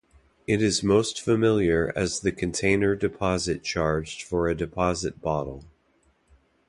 It is most familiar as the container deposit charged for a deposit bottle.